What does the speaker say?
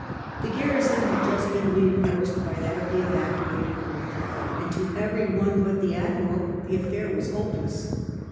The garrison had just been reinforced by that of the evacuated fort^ and to every one but the Admiral the affair was hopeless.